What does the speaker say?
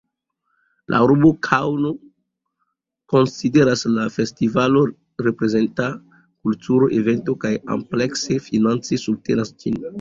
La urbo Kaŭno konsideras la festivalo reprezenta kultura evento kaj amplekse finance subtenas ĝin.